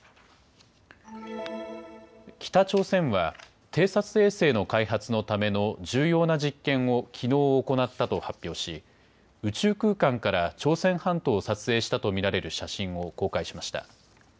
北朝鮮は偵察衛星の開発のための重要な実験をきのう行ったと発表し宇宙空間から朝鮮半島を撮影したと見られる写真を公開しました。